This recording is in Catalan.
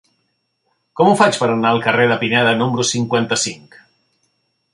Com ho faig per anar al carrer de Pineda número cinquanta-cinc?